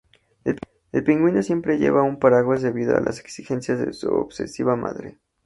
El Pingüino siempre lleva un paraguas debido a las exigencias de su obsesiva madre.